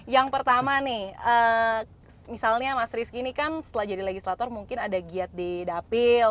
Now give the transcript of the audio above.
yang pertama nih misalnya mas rizky ini kan setelah jadi legislator mungkin ada giat di dapil